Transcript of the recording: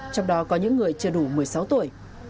trong đó có những người chưa đủ một mươi sáu tuổi